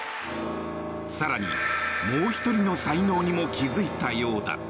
更に、もう１人の才能にも気付いたようだ。